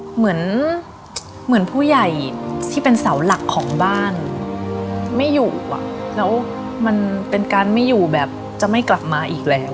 เหมือนเหมือนผู้ใหญ่ที่เป็นเสาหลักของบ้านไม่อยู่แล้วมันเป็นการไม่อยู่แบบจะไม่กลับมาอีกแล้ว